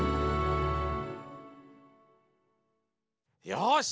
よし！